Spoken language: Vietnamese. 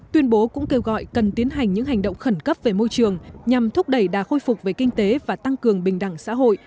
tuyên bố cũng kêu gọi cần tiến hành những hành động khẩn cấp về môi trường nhằm thúc đẩy đà khôi phục về kinh tế và tăng cường bình đẳng xã hội